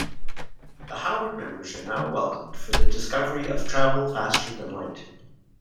The Howard members are now welcomed for their discovery of travel faster than light.